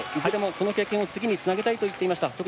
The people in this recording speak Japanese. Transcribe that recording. この経験を次につなげたいと言っていました。